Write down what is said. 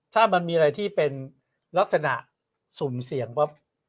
ถ้ามันมีอะไรที่เป็นลักษณะสุ่มเสี่ยงปั๊บ